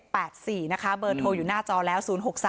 เบอร์โทรศัพท์อยู่หน้าจอแล้ว๐๖๓๒๒๙๐๕๒๘